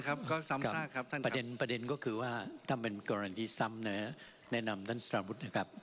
กรณีซ้ำเนี่ยแนะนำท่านสตาร์นพุทธนะครับ